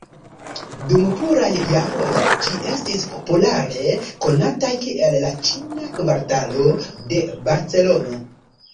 Dum pluraj jaroj ĝi estis populare konata kiel la Ĉina Kvartalo de Barcelono.